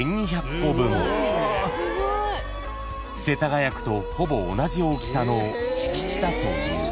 ［世田谷区とほぼ同じ大きさの敷地だという］